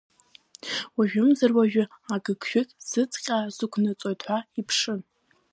Уажәымзар-уажәы агыгшәыг сыцҟьа сықәнаҵоит ҳәа иԥшын.